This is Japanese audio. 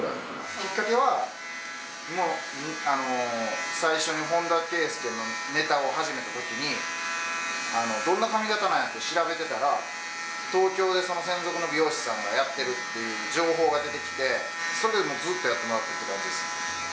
きっかけは、もう、最初に本田圭佑のネタを始めたときに、どんな髪形なんやって調べてたら、東京で専属の美容師さんがやってるっていう情報が出てきて、それからずっとやってもらってる感じ